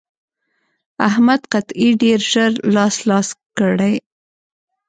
احمد قطعې ډېر ژر لاس لاس کړې.